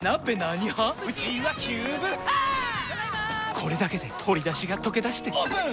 これだけで鶏だしがとけだしてオープン！